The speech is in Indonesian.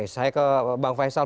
saya ke bang faisal